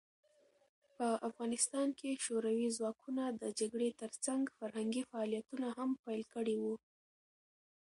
په افغانستان کې شوروي ځواکونه د جګړې ترڅنګ فرهنګي فعالیتونه هم پیل کړي وو.